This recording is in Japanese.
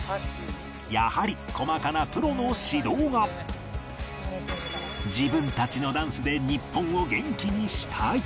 やはり細かな自分たちのダンスで日本を元気にしたい